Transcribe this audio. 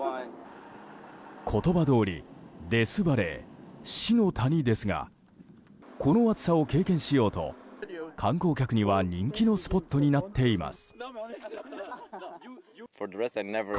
言葉どおりデスバレー死の谷ですがこの暑さを経験しようと観光客には人気のスポットになっています。